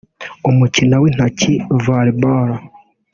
umukino w’intoki Volley Ball